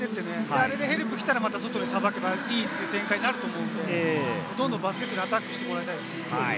あれでヘルプが来たら外に捌けばいいという展開になると思うので、どんどんアタックしてもらいたいです。